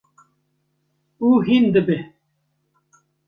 û hîn dibe.